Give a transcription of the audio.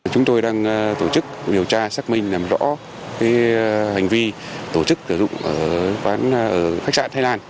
chúng tôi đang tổ chức điều tra xác minh làm rõ hành vi tổ chức sử dụng ở khách sạn thái lan